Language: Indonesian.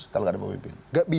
kalau gak ada pemimpin